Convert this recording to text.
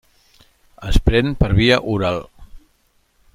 Es pren per via oral.